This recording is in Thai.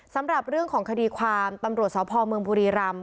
สำหรับเรื่องของคดีความตำรวจสพเมืองบุรีรำ